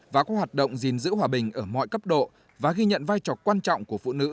và có hoạt động gìn giữ hòa bình ở mọi cấp độ và ghi nhận vai trò quan trọng của phụ nữ